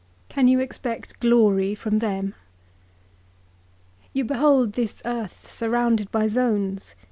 Can you expect glory from them ?"' You behold this earth surrounded by zones.